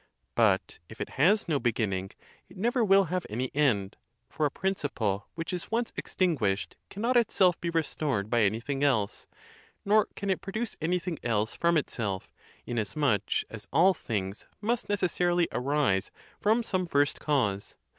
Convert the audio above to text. But if it has no beginning, it never will have any end; for a principle which is once extin guished cannot itself be restored by anything else, nor can it produce anything else from itself; inasmuch as all things must necessarily arise from some first cause.